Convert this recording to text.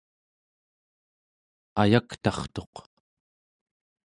ayaktartuq